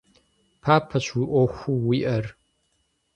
Папэщ уэ Ӏуэхуу уиӀэр.